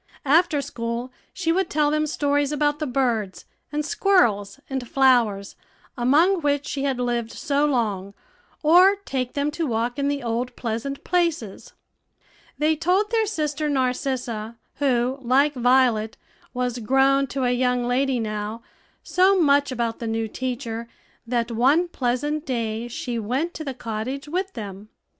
After school she would tell them stories about the birds, and squirrels, and flowers, among which she had lived so long, or take them to walk in the old pleasant places. They told their sister Narcissa, who, like Violet, was grown to a young lady now, so much about the new teacher, that one pleasant day she went to the cottage with them.